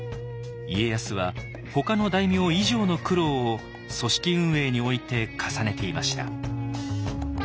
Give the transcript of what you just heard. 家康はほかの大名以上の苦労を組織運営において重ねていました。